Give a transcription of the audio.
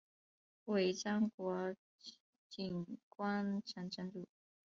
尾张国井关城城主。